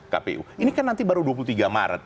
kpu ini kan nanti baru dua puluh tiga maret